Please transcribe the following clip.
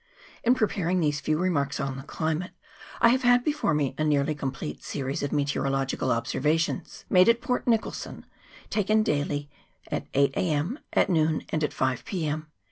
IN preparing these few remarks on the climate, I have had before me a nearly complete series of me teorological observations, made at Port Nicholson, taken daily at 8 A.M., at noon, and at 5 P.M.